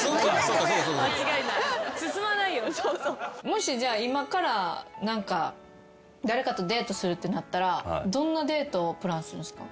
もしじゃあ今から誰かとデートするってなったらどんなデートをプランするんすか？